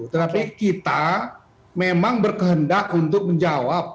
tetapi kita memang berkehendak untuk menjawab